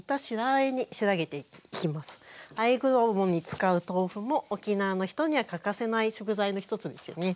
あえ衣に使う豆腐も沖縄の人には欠かせない食材の一つですよね。